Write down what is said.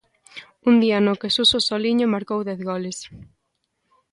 Un día no que Suso Soliño marcou dez goles.